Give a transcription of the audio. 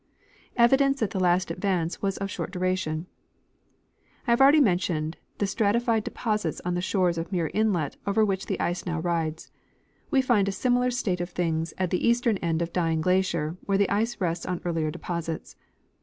Evidence that the last Advance was of Short Duration. I have already mentioned the stratified deposits on the shores of Muir inlet over which the ice now rides. We find a similar state of things at the eastern end of Dying glacier, where the ice rests on earlier deposits.